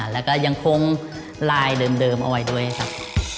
แล้วก็ยังคงไลน์เดิมเอาไว้ด้วยครับ